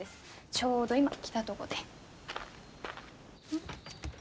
ちょうど今来たとごで。